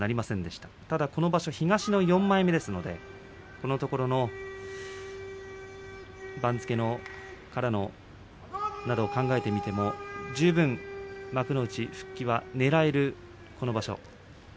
ただ、今場所、東の４枚目ですのでこのところの番付を考えても十分、幕内復帰はねらえる位置にいます。